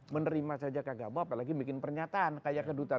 menerima saja kagak mau apalagi bikin pernyataan kayak kedutaan